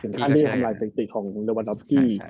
ถึงค่าเงี้ยทำลายสินติของเลวานับสกี้